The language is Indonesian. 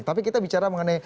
tapi kita bicara mengenai